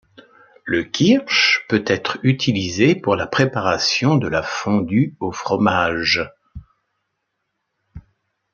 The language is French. Le kirsch peut être utilisé pour la préparation de la fondue au fromage.